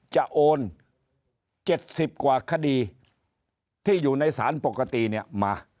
โอน๗๐กว่าคดีที่อยู่ในสารปกติเนี่ยมา